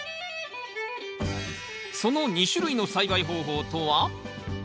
その２種類の栽培方法とは？